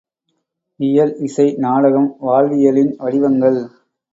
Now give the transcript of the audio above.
இயல் இசை நாடகம் வாழ்வியலின் வடிவங்கள்